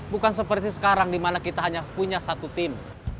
bukan seperti sekarang dimana kita hanya punya satu tim